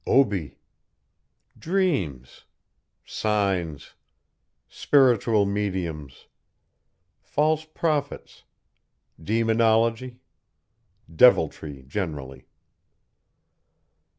OBI. DREAMS. SIGNS. SPIRITUAL MEDIUMS. FALSE PROPHETS. DEMONOLOGY. DEVILTRY GENERALLY.